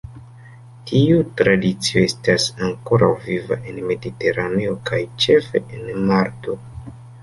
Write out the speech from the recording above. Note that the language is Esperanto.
Tiu tradicio estas ankoraŭ viva en Mediteraneo, kaj ĉefe en Malto.